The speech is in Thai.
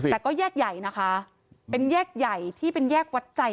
แต่ก็แยกใหญ่นะคะเป็นแยกใหญ่ที่เป็นแยกวัดใจ